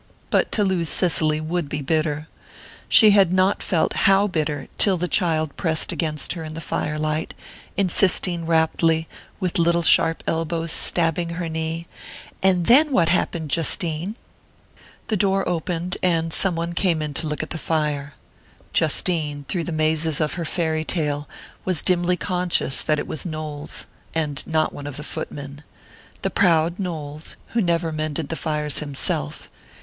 But to lose Cicely would be bitter she had not felt how bitter till the child pressed against her in the firelight, insisting raptly, with little sharp elbows stabbing her knee: "And then what happened, Justine?" The door opened, and some one came in to look at the fire. Justine, through the mazes of her fairy tale, was dimly conscious that it was Knowles, and not one of the footmen...the proud Knowles, who never mended the fires himself....